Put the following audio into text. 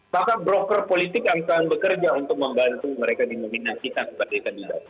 maka broker politik akan bekerja untuk membantu mereka di nominasi